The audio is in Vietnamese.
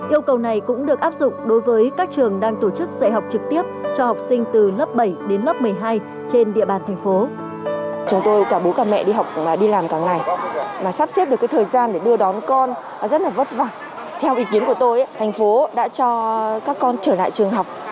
yêu cầu này cũng được áp dụng đối với các trường đang tổ chức dạy học trực tiếp cho học sinh từ lớp bảy đến lớp một mươi hai trên địa bàn thành phố